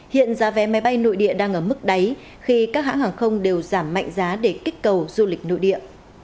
hiện giá vé máy bay nội địa đang ở mức đáy khi các hãng hàng không đều giảm mạnh giá để kích cầu du lịch nội địa